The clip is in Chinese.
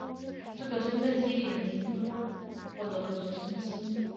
这个真正激励人的音乐录影带赢得了新加坡很多学生的心。